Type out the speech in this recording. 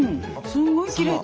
すごいきれい！